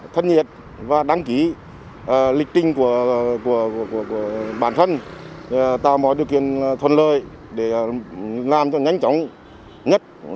thân nhiệt và đăng ký lịch trình của bản thân tạo mọi điều kiện thuận lợi để làm cho nhanh chóng nhất